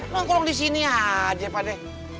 lo kurang disini aja pak de